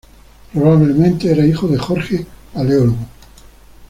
Probablemente era hijo de Jorge Paleólogo.